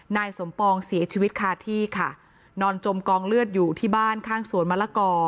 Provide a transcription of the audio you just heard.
นายสมปองเสียชีวิตคาที่ค่ะนอนจมกองเลือดอยู่ที่บ้านข้างสวนมะละกอ